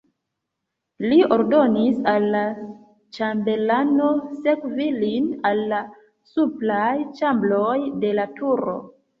Li ordonis al la ĉambelano sekvi lin al la supraj ĉambroj de la turo.